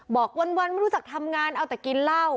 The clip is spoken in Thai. บอกวันไม่รู้จักทำงานเอาแต่กินเหล้า